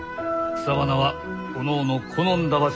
草花はおのおの好んだ場所に生える。